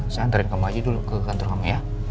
saya anterin kamu aja dulu ke kantor kami ya